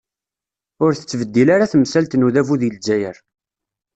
Ur tettbeddil ara temsalt n udabu di Zzayer.